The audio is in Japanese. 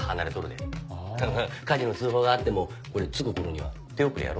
火事の通報があってもこれ着く頃には手遅れやろ？